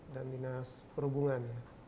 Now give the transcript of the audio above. dan dinas perhubungan